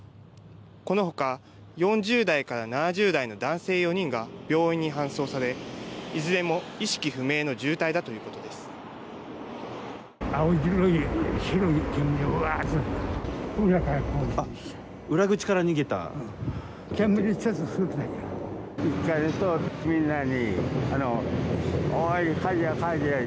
このほか４０代から７０代の男性４人が病院に搬送されいずれも意識不明の重体だということです。